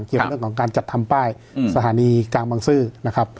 เกี่ยวกับเรื่องของการจัดทำป้ายสถานีกลางบังซื้อนะครับ